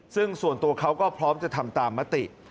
ซึ่งส่วนตัวเขาก็พร้อมจะทำตามมติ